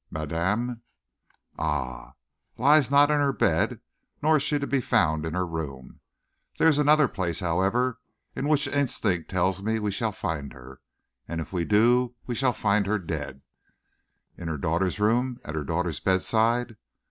Madame " "Ah!" "Lies not in her bed, nor is she to be found in her room. There is another place, however, in which instinct tells me we shall find her, and if we do, we shall find her dead!" "In her daughter's room? At her daughter's bedside?"